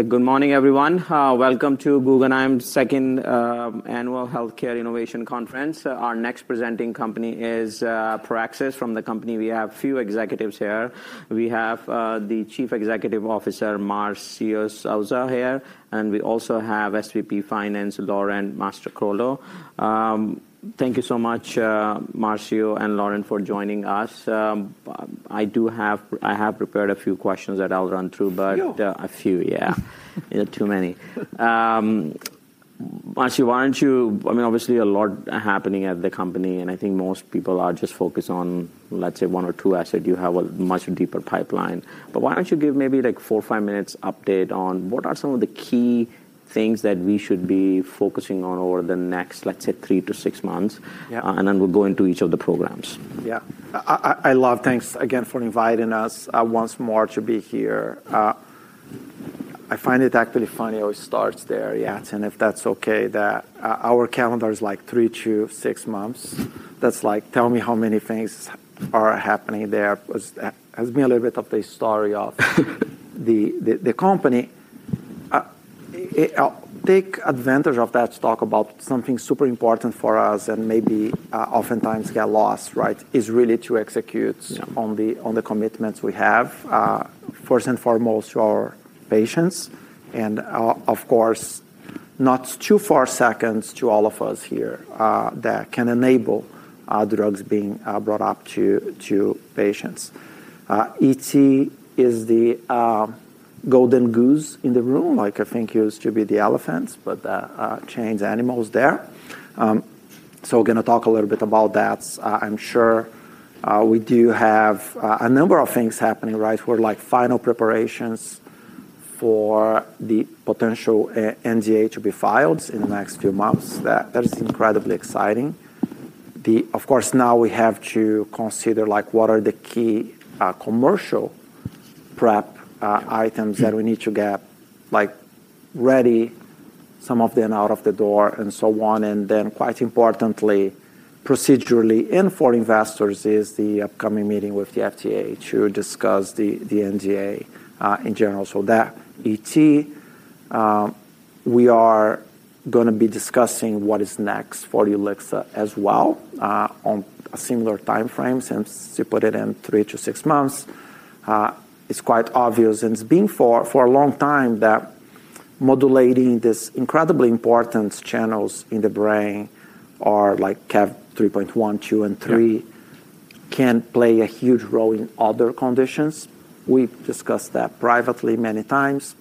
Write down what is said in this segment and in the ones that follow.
Good morning, everyone. Welcome to Google Announced's second annual Healthcare Innovation Conference. Our next presenting company is Praxis Precision Medicines. From the company, we have a few executives here. We have the Chief Executive Officer, Marcio Souza, here. We also have SVP Finance, Lauren, and Matt Krogo. Thank you so much, Marcio and Lauren, for joining us. I do have prepared a few questions that I'll run through, but. Yeah. A few, yeah. Too many. Marcio, why don't you, I mean, obviously, a lot is happening at the company. I think most people are just focused on, let's say, one or two assets. You have a much deeper pipeline. Why don't you give maybe like four or five minutes' update on what are some of the key things that we should be focusing on over the next, let's say, three to six months? Yeah. We'll go into each of the programs. Yeah. I love thanks again for inviting us once more to be here. I find it actually funny. It always starts there. Yeah. If that's OK, our calendar is like three to six months. That's like, tell me how many things are happening there. It has been a little bit of the story of the company. Take advantage of that to talk about something super important for us and maybe oftentimes get lost, right, is really to execute on the commitments we have, first and foremost, to our patients. Of course, not too far second to all of us here that can enable drugs being brought up to patients. ET is the golden goose in the room. Like, I think it used to be the elephant, but the chained animal is there. We're going to talk a little bit about that. I'm sure we do have a number of things happening, right, where like final preparations for the potential NDA to be filed in the next few months. That is incredibly exciting. Of course, now we have to consider what are the key commercial prep items that we need to get ready, some of them out of the door and so on. Quite importantly, procedurally and for investors, is the upcoming meeting with the FDA to discuss the NDA in general. For that ET, we are going to be discussing what is next for ulixacaltamide as well on a similar time frame, since you put it in three to six months. It's quite obvious, and it's been for a long time, that modulating these incredibly important channels in the brain, like CaV3.1, 3.2, and 3.3, can play a huge role in other conditions. We've discussed that privately many times.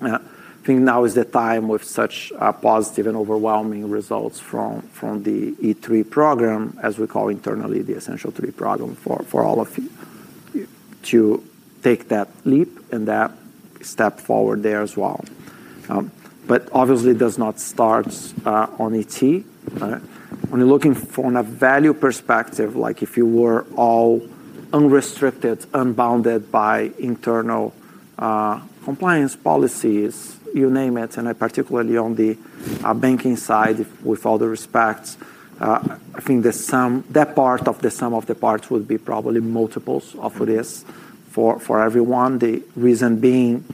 I think now is the time with such positive and overwhelming results from the E3 program, as we call internally the Essential 3 program, for all of you to take that leap and that step forward there as well. Obviously, it does not start on ET. When you're looking from a value perspective, like if you were all unrestricted, unbounded by internal compliance policies, you name it. Particularly on the banking side, with all due respect, I think that part of the sum of the parts would be probably multiples of what is for everyone. The reason being,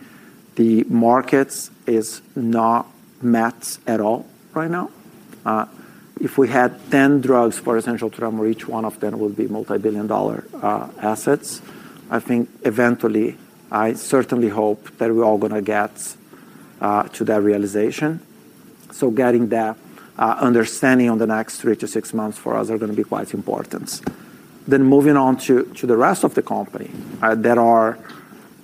the markets are not met at all right now. If we had 10 drugs for essential drugs, each one of them would be multi-billion dollar assets. I think eventually, I certainly hope that we're all going to get to that realization. Getting that understanding in the next three to six months for us is going to be quite important. Moving on to the rest of the company, there are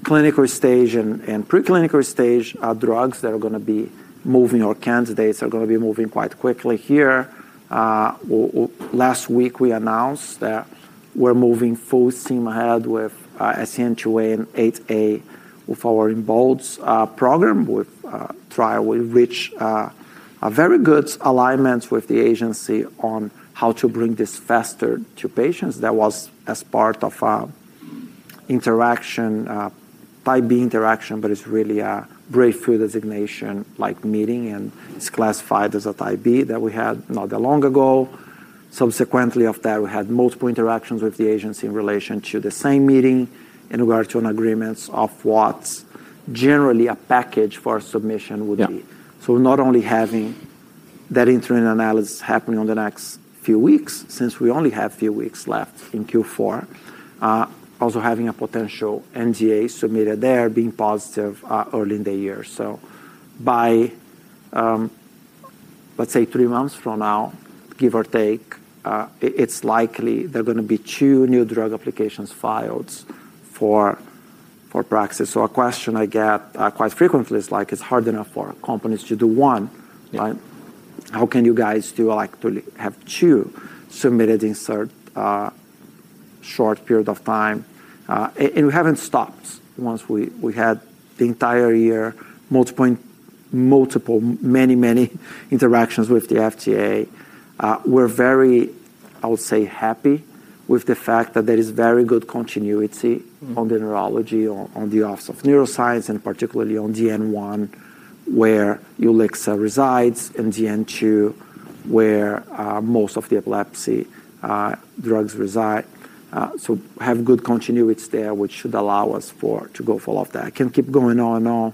clinical stage and preclinical stage drugs that are going to be moving, or candidates are going to be moving quite quickly here. Last week, we announced that we're moving full steam ahead with SCN2A with our EMBOLD program. We've tried with Rich a very good alignment with the agency on how to bring this faster to patients. That was as part of an interaction, type B interaction, but it's really a breakthrough designation-like meeting. It is classified as a type B that we had not that long ago. Subsequently of that, we had multiple interactions with the agency in relation to the same meeting in regard to an agreement of what generally a package for submission would be. Not only having that interim analysis happening in the next few weeks, since we only have a few weeks left in Q4, also having a potential NDA submitted there being positive early in the year. By, let's say, three months from now, give or take, it's likely there are going to be two new drug applications filed for Praxis. A question I get quite frequently is like, it's hard enough for companies to do one. How can you guys do like to have two submitted in such a short period of time? We haven't stopped. Once we had the entire year, multiple, many, many interactions with the FDA, we're very, I would say, happy with the fact that there is very good continuity on the neurology, on the Office of Neuroscience, and particularly on DN1, where Ulixacaltamide resides, and DN2, where most of the epilepsy drugs reside. We have good continuity there, which should allow us to go full of that. I can keep going on and on,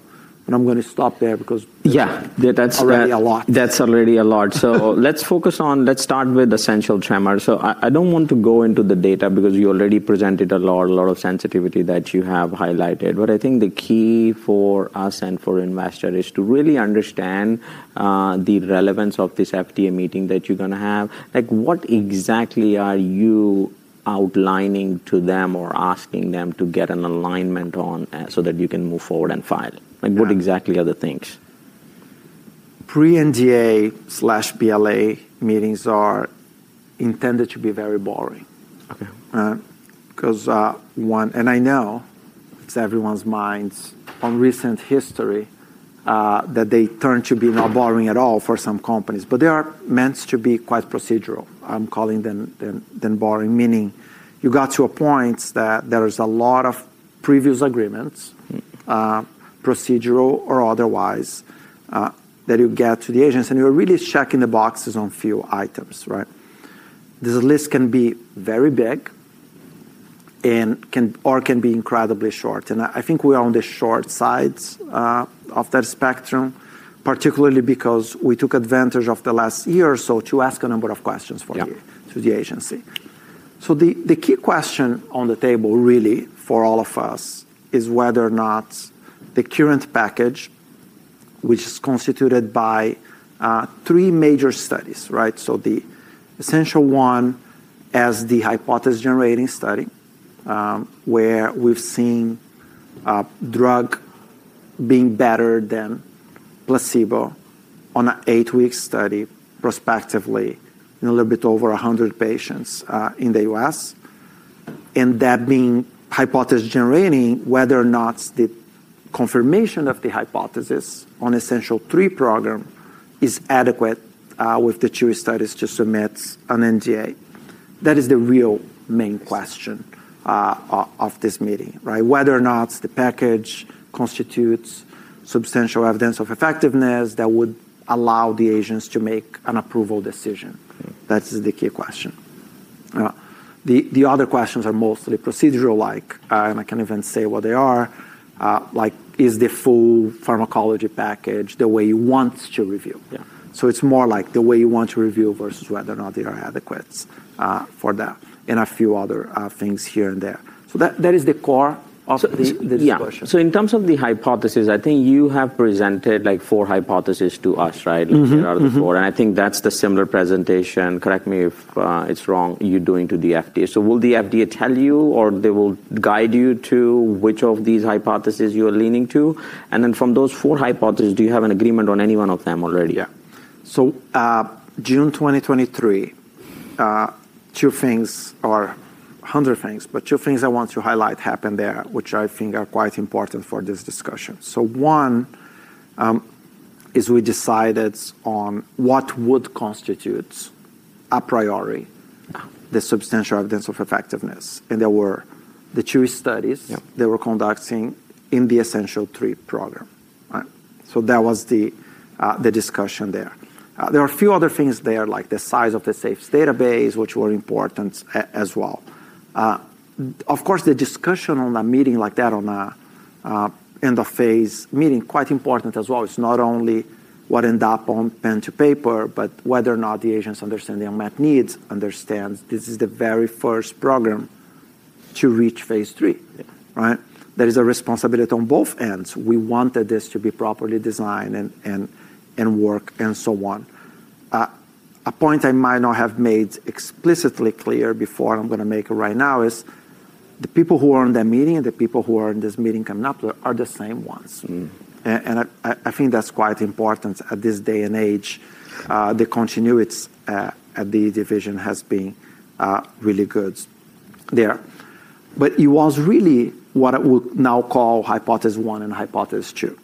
but I'm going to stop there because. Yeah. That's already a lot. That's already a lot. Let's focus on let's start with essential tremors. I don't want to go into the data because you already presented a lot, a lot of sensitivity that you have highlighted. I think the key for us and for investors is to really understand the relevance of this FDA meeting that you're going to have. What exactly are you outlining to them or asking them to get an alignment on so that you can move forward and file? What exactly are the things? Pre-NDA/PLA meetings are intended to be very boring. OK. Because one, and I know it's everyone's minds on recent history that they turned to be not boring at all for some companies. They are meant to be quite procedural. I'm calling them then boring, meaning you got to a point that there is a lot of previous agreements, procedural or otherwise, that you get to the agents. You're really checking the boxes on a few items, right? This list can be very big and can or can be incredibly short. I think we are on the short side of that spectrum, particularly because we took advantage of the last year or so to ask a number of questions for you through the agency. The key question on the table really for all of us is whether or not the current package, which is constituted by three major studies, right? The essential one as the Hypothesis-Generating study, where we've seen drug being better than Placebo on an eight-week study prospectively in a little bit over 100 patients in the U.S. That being hypothesis-generating, whether or not the confirmation of the hypothesis on essential 3 program is adequate with the two studies to submit an NDA. That is the real main question of this meeting, right? Whether or not the package constitutes substantial evidence of effectiveness that would allow the agents to make an approval decision. That is the key question. The other questions are mostly procedural, like, and I can't even say what they are, like, is the full pharmacology package the way you want to review? It is more like the way you want to review versus whether or not they are adequate for that, and a few other things here and there. That is the core of this question. Yeah. In terms of the hypothesis, I think you have presented like four hypotheses to us, right? Yeah. Like here are the four. I think that's the similar presentation. Correct me if it's wrong, you're doing to the FDA. Will the FDA tell you, or will they guide you to which of these hypotheses you are leaning to? From those four hypotheses, do you have an agreement on any one of them already? Yeah. June 2023, two things, or a hundred things, but two things I want to highlight happened there, which I think are quite important for this discussion. One is we decided on what would constitute a priori the substantial evidence of effectiveness. There were the two studies they were conducting in the Essential 3 program. That was the discussion there. There are a few other things there, like the size of the SAFES database, which were important as well. Of course, the discussion on a meeting like that, on an end-of-phase meeting, is quite important as well. It's not only what ends up on pen to paper, but whether or not the agents understand their unmet needs, understand this is the very first program to reach phase 3, right? There is a responsibility on both ends. We wanted this to be properly designed and work and so on. A point I might not have made explicitly clear before, I'm going to make it right now, is the people who are in that meeting and the people who are in this meeting coming up, they are the same ones. I think that's quite important at this day and age. The continuity at the division has been really good there. It was really what I would now call hypothesis 1 and hypothesis 2.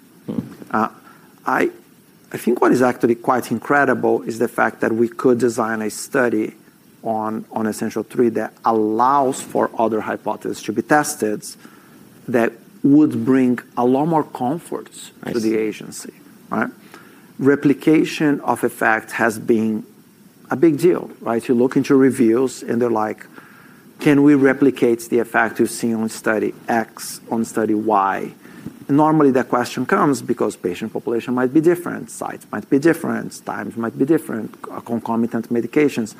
I think what is actually quite incredible is the fact that we could design a study on Essential 3 that allows for other hypotheses to be tested that would bring a lot more comfort to the agency, right? Replication of effect has been a big deal, right? You look into reviews, and they're like, can we replicate the effect you've seen on study X, on study Y? Normally, that question comes because patient population might be different, sites might be different, times might be different, concomitant medications.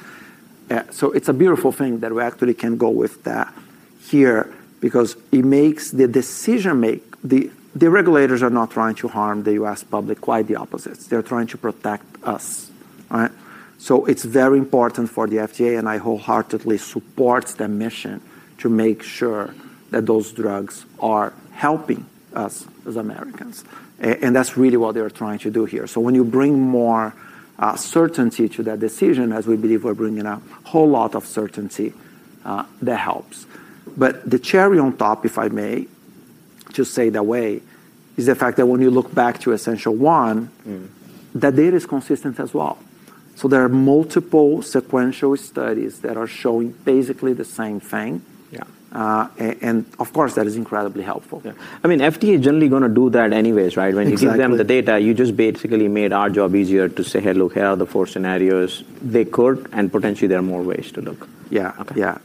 It is a beautiful thing that we actually can go with that here because it makes the decision making. The regulators are not trying to harm the U.S. public. Quite the opposite. They're trying to protect us, right? It is very important for the FDA, and I wholeheartedly support that mission to make sure that those drugs are helping us as Americans. That is really what they're trying to do here. When you bring more certainty to that decision, as we believe we're bringing a whole lot of certainty, that helps. The cherry on top, if I may just say that way, is the fact that when you look back to essential 1, that data is consistent as well. There are multiple sequential studies that are showing basically the same thing. Of course, that is incredibly helpful. Yeah. I mean, FDA is generally going to do that anyways, right? When you give them the data, you just basically made our job easier to say, hey, look, here are the four scenarios they could, and potentially there are more ways to look. Yeah. OK. Yeah.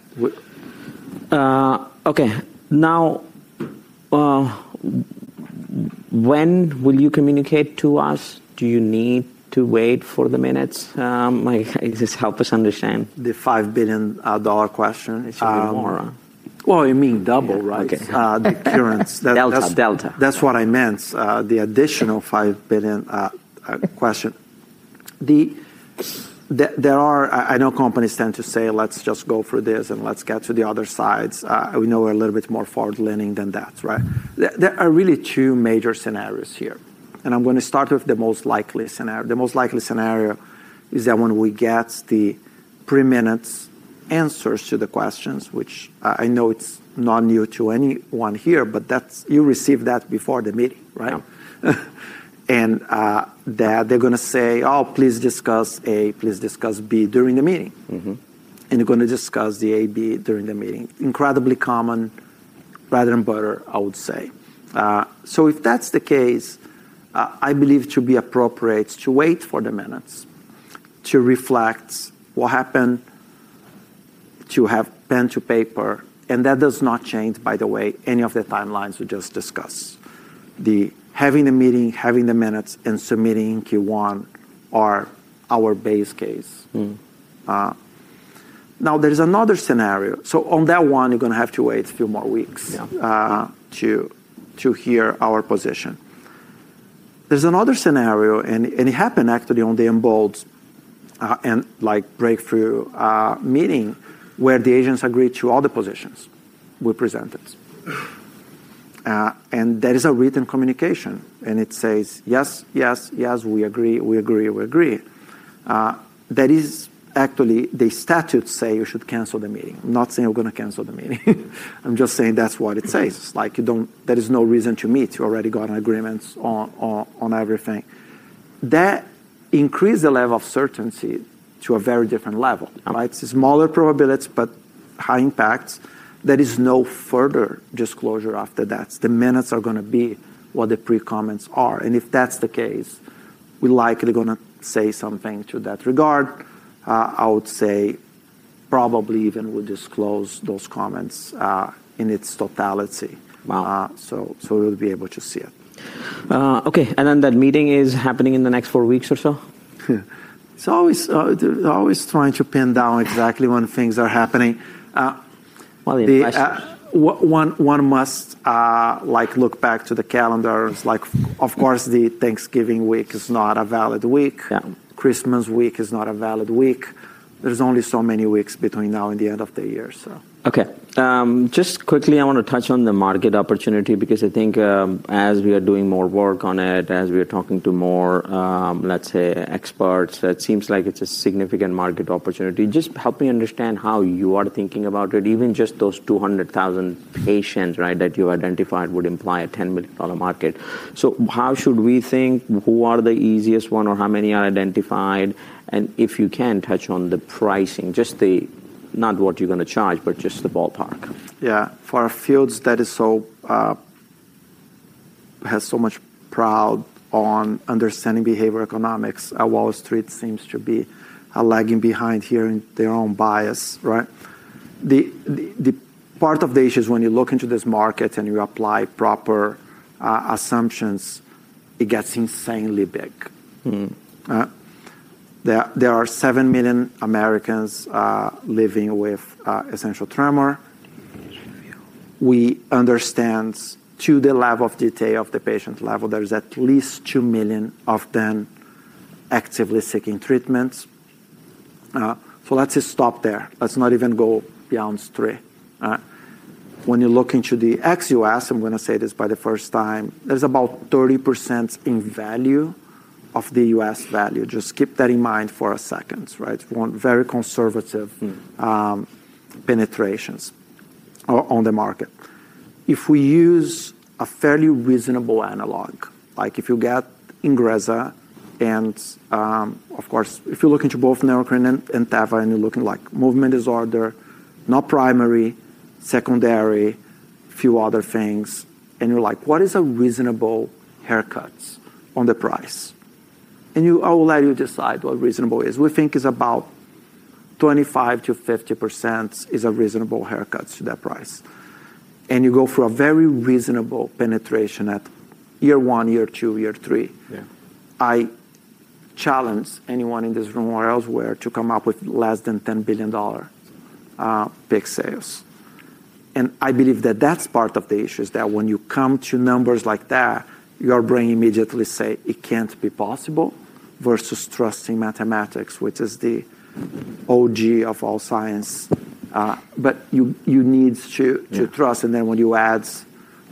OK. Now, when will you communicate to us? Do you need to wait for the minutes? Just help us understand. The $5 billion question is a little more. You mean double, right? Current. Delta. That's what I meant. The additional $5 billion question. I know companies tend to say, let's just go through this and let's get to the other side. We know we're a little bit more forward-leaning than that, right? There are really two major scenarios here. I'm going to start with the most likely scenario. The most likely scenario is that when we get the pre-minutes answers to the questions, which I know it's not new to anyone here, but you receive that before the meeting, right? They're going to say, oh, please discuss A, please discuss B during the meeting. They're going to discuss the A, B during the meeting. Incredibly common, bread and butter, I would say. If that's the case, I believe it should be appropriate to wait for the minutes, to reflect what happened, to have pen to paper. That does not change, by the way, any of the timelines we just discussed. Having the meeting, having the minutes, and submitting Q1 are our base case. Now, there is another scenario. On that one, you are going to have to wait a few more weeks to hear our position. There is another scenario, and it happened actually on the EMBOLD and breakthrough meeting where the agents agreed to all the positions we presented. There is a written communication, and it says, yes, yes, yes, we agree, we agree, we agree. That is actually the statutes say you should cancel the meeting. I am not saying we are going to cancel the meeting. I am just saying that is what it says. It is like there is no reason to meet. You already got an agreement on everything. That increased the level of certainty to a very different level, right? Smaller probabilities, but high impact. There is no further disclosure after that. The minutes are going to be what the pre-comments are. If that's the case, we're likely going to say something to that regard. I would say probably even we'll disclose those comments in its totality. So we'll be able to see it. OK. And then that meeting is happening in the next four weeks or so? It's always trying to pin down exactly when things are happening. Well, yeah. One must look back to the calendars. Like, of course, the Thanksgiving week is not a valid week. Christmas week is not a valid week. There are only so many weeks between now and the end of the year, so. OK. Just quickly, I want to touch on the market opportunity because I think as we are doing more work on it, as we are talking to more, let's say, experts, it seems like it's a significant market opportunity. Just help me understand how you are thinking about it. Even just those 200,000 patients, right, that you've identified would imply a $10 million market. So how should we think? Who are the easiest one, or how many are identified? And if you can, touch on the pricing, just the not what you're going to charge, but just the ballpark. Yeah. For our fields, that is, has so much prowled on understanding behavioral economics, Wall Street seems to be lagging behind here in their own bias, right? The part of the issue is when you look into this market and you apply proper assumptions, it gets insanely big. There are 7 million Americans living with essential tremor. We understand to the level of detail of the patient level, there's at least 2 million of them actively seeking treatments. Let's just stop there. Let's not even go beyond three. When you look into the ex-U.S., I'm going to say this for the first time, there's about 30% in value of the U.S. value. Just keep that in mind for a second, right? Very conservative penetrations on the market. If we use a fairly reasonable analog, like if you get Ingrezza and, of course, if you look into both Neurocrine and Teva and you're looking like movement disorder, not primary, secondary, a few other things, and you're like, what is a reasonable haircut on the price? I will let you decide what reasonable is. We think it's about 25%-50% is a reasonable haircut to that price. You go for a very reasonable penetration at year one, year two, year three. I challenge anyone in this room or elsewhere to come up with less than $10 billion pick sales. I believe that that's part of the issue is that when you come to numbers like that, your brain immediately say it can't be possible versus trusting mathematics, which is the OG of all science. You need to trust. When you add,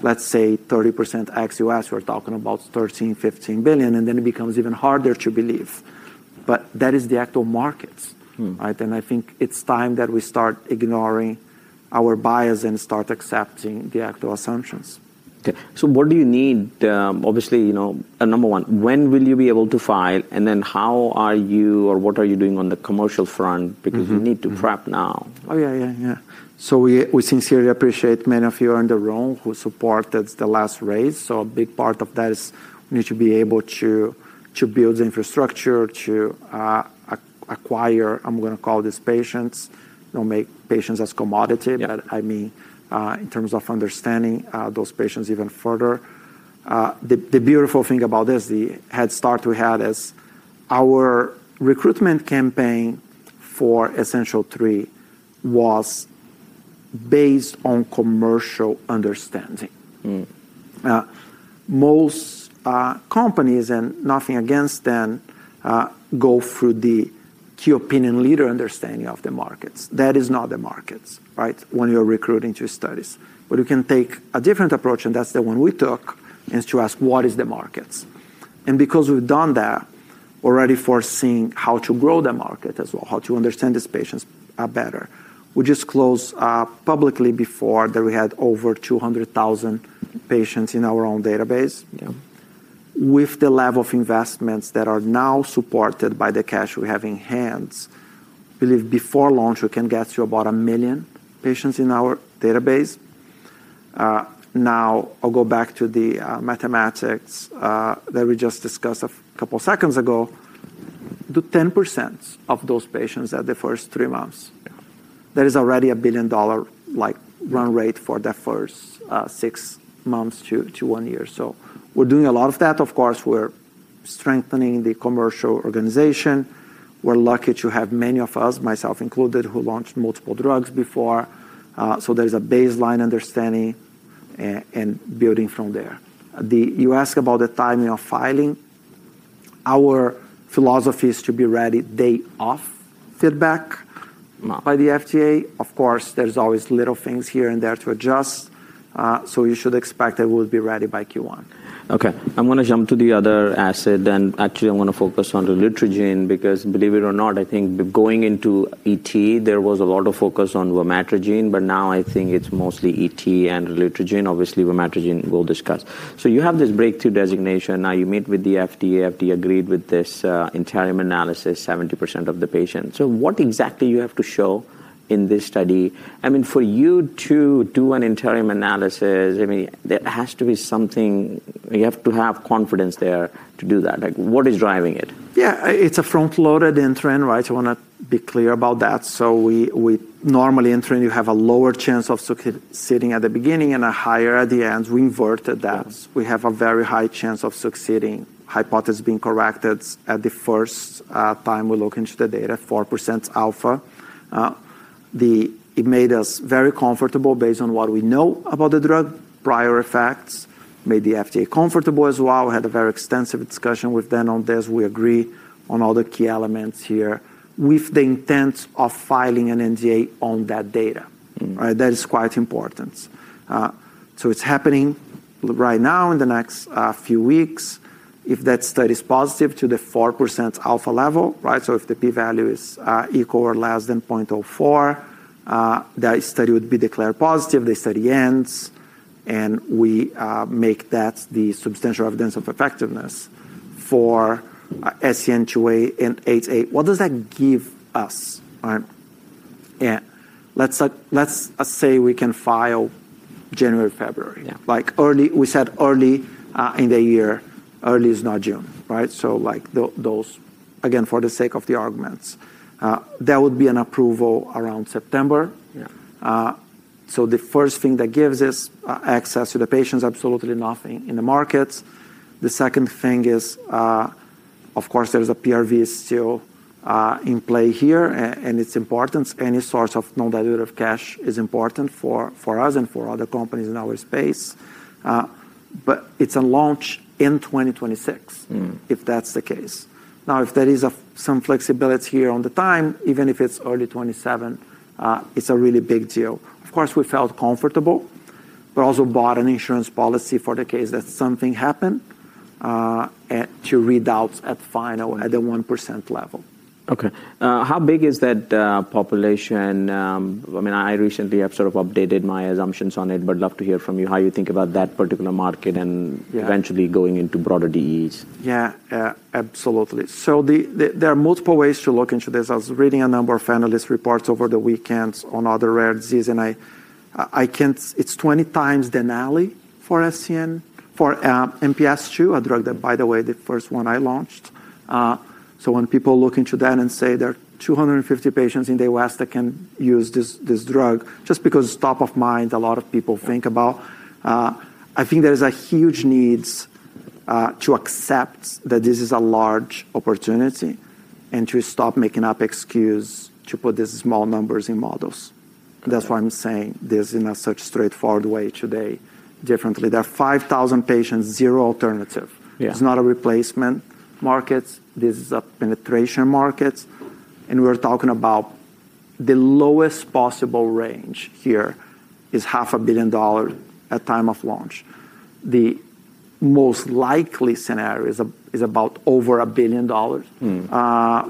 let's say, 30% ex-US, we're talking about $13 billion-$15 billion, and it becomes even harder to believe. That is the actual markets, right? I think it's time that we start ignoring our bias and start accepting the actual assumptions. OK. What do you need? Obviously, number one, when will you be able to file? How are you or what are you doing on the commercial front? Because we need to prep now. Oh, yeah, yeah, yeah. We sincerely appreciate many of you in the room who supported the last raise. A big part of that is we need to be able to build the infrastructure to acquire, I'm going to call these patients, do not make patients as commodity, but I mean in terms of understanding those patients even further. The beautiful thing about this, the head start we had is our recruitment campaign for Essential 3 was based on commercial understanding. Most companies, and nothing against them, go through the key opinion leader understanding of the markets. That is not the markets, right, when you're recruiting to studies. You can take a different approach, and that's the one we took, to ask what is the markets. Because we've done that, we're already foreseeing how to grow the market as well, how to understand these patients better. We just closed publicly. Before that we had over 200,000 patients in our own database. With the level of investments that are now supported by the cash we have in hand, I believe before launch we can get to about 1 million patients in our database. Now, I'll go back to the mathematics that we just discussed a couple seconds ago. The 10% of those patients at the first three months, that is already a $1 billion run rate for the first six months to one year. We're doing a lot of that. Of course, we're strengthening the commercial organization. We're lucky to have many of us, myself included, who launched multiple drugs before. There's a baseline understanding and building from there. You ask about the timing of filing. Our philosophy is to be ready day of feedback by the FDA. Of course, there's always little things here and there to adjust. You should expect that we'll be ready by Q1. OK. I'm going to jump to the other asset then. Actually, I'm going to focus on relutrigine because believe it or not, I think going into ET, there was a lot of focus on ulixacaltamide, but now I think it's mostly ET and relutrigine obviously ulixacaltamide we'll discuss. You have this breakthrough designation. Now you meet with the FDA. FDA agreed with this interim analysis, 70% of the patients. What exactly do you have to show in this study? I mean, for you to do an interim analysis, there has to be something you have to have confidence there to do that. What is driving it? Yeah. It's a front-loaded entry-in, right? I want to be clear about that. So we normally enter in, you have a lower chance of succeeding at the beginning and a higher at the end. We inverted that. We have a very high chance of succeeding, hypothesis being corrected at the first time we look into the data, 4% alpha. It made us very comfortable based on what we know about the drug, prior effects, made the FDA comfortable as well. We had a very extensive discussion with them on this. We agree on all the key elements here with the intent of filing an NDA on that data, right? That is quite important. It's happening right now in the next few weeks. If that study is positive to the 4% alpha level, right? If the p-value is equal or less than 0.04, that study would be declared positive. The study ends, and we make that the substantial evidence of effectiveness for SCN2A and 8A. What does that give us, right? Let's say we can file January-February. Like early, we said early in the year, early is not June, right? For the sake of the arguments, that would be an approval around September. The first thing that gives us access to the patients, absolutely nothing in the markets. The second thing is, of course, there's a PRV still in play here, and it's important. Any source of non-dilutive cash is important for us and for other companies in our space. It's a launch in 2026, if that's the case. Now, if there is some flexibility here on the time, even if it's early 2027, it's a really big deal. Of course, we felt comfortable, but also bought an insurance policy for the case that something happened to read out at final at the 1% level. OK. How big is that population? I mean, I recently have sort of updated my assumptions on it, but I'd love to hear from you how you think about that particular market and eventually going into broader DEEs. Yeah, absolutely. There are multiple ways to look into this. I was reading a number of analyst reports over the weekend on other rare disease, and I can't, it's 20 times the NALI for MPS II, a drug that, by the way, the first one I launched. When people look into that and say there are 250 patients in the US that can use this drug, just because it's top of mind, a lot of people think about, I think there is a huge need to accept that this is a large opportunity and to stop making up excuses to put these small numbers in models. That's why I'm saying this in such a straightforward way today. Differently, there are 5,000 patients, zero alternative. It's not a replacement market. This is a penetration market. We're talking about the lowest possible range here is $500,000,000 at time of launch. The most likely scenario is about over $1 billion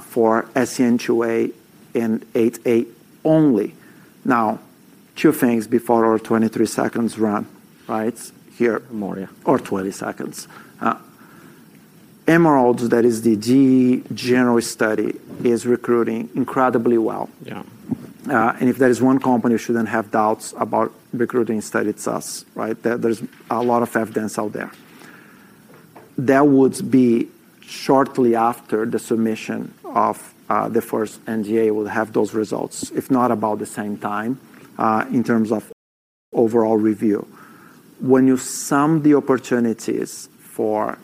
for SCN2A and 8A only. Now, two things before our 23 seconds run, right? Here. Or more, yeah. Or 20 seconds. EMBOLD, that is the DEE general study, is recruiting incredibly well. Yeah. If there is one company who shouldn't have doubts about recruiting study, it's us, right? There's a lot of evidence out there. That would be shortly after the submission of the first NDA will have those results, if not about the same time in terms of overall review. When you sum the opportunities for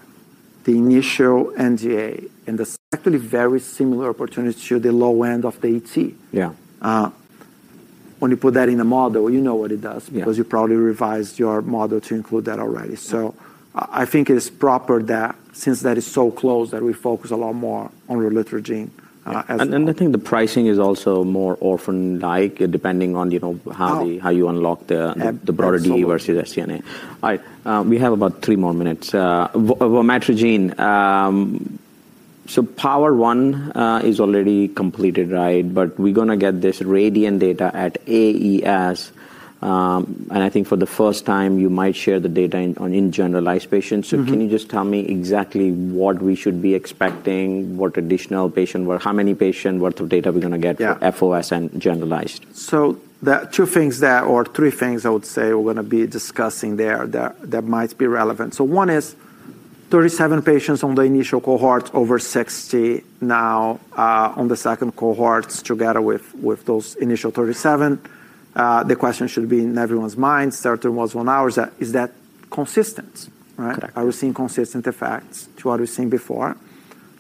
the initial NDA and the actually very similar opportunities to the low end of the ET, when you put that in the model, you know what it does because you probably revised your model to include that already. I think it is proper that since that is so close that we focus a lot more on relutrigine as. I think the pricing is also more orphan-like, depending on how you unlock the broader DEE versus SCN2A. All right. We have about three more minutes. Relutrigine, so POWER1 is already completed, right? But we're going to get this RADIANT data at AES. I think for the first time you might share the data on in-generalized patients. Can you just tell me exactly what we should be expecting, what additional patient worth, how many patient worth of data we're going to get for FOS and generalized? Two things that, or three things I would say we're going to be discussing there that might be relevant. One is 37 patients on the initial cohort, over 60 now on the second cohort together with those initial 37. The question should be in everyone's mind, certain was one hour, is that consistent, right? Are we seeing consistent effects to what we've seen before?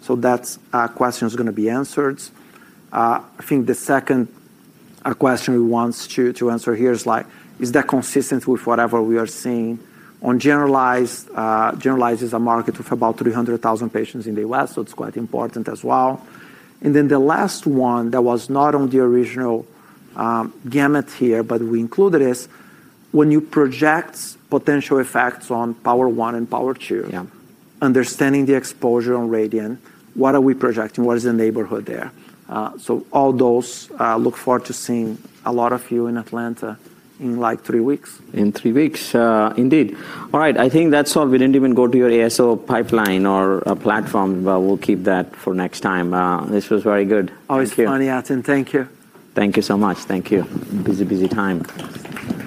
That question is going to be answered. I think the second question we want to answer here is like, is that consistent with whatever we are seeing on generalized? Generalized is a market of about 300,000 patients in the US, so it's quite important as well. The last one that was not on the original gamut here, but we included, is when you project potential effects on POWER1 and POWER2, understanding the exposure on RADIANT, what are we projecting? What is the neighborhood there? So all those, look forward to seeing a lot of you in Atlanta in like three weeks. In three weeks, indeed. All right. I think that's all. We didn't even go to your ASO pipeline or platform, but we'll keep that for next time. This was very good. Always funny, Atin. Thank you. Thank you so much. Thank you. Busy, busy time.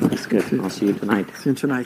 That's good. I'll see you tonight. See you soon.